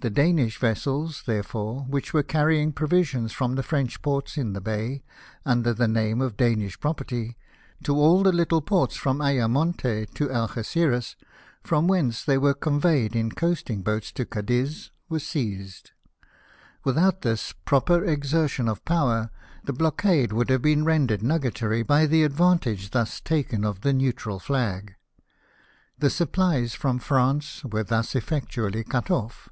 The Danish vessels, therefore, which were carrying provisions from the French ports in the bay, under the name of Danish property, to all the little ports from Ayamonte to Algeziras, from whence they were conveyed in '•oasting boats to Cadiz, wpre seized. Without this [»ropf*r HX«^rr,ioii «>f jjower, tli*^ blookinlr \\<;nild ha\» been rendered iiiigiitory b} the advantage thus t;ike]t of the neutral flag. The supplies from France were thus effectually cut off.